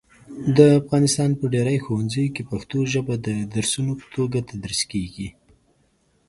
د افغانستان په ډېری ښوونځیو کې پښتو ژبه د درسونو په توګه تدریس کېږي.